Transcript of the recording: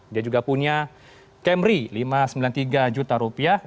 dia juga punya camry lima ratus sembilan puluh tiga juta rupiah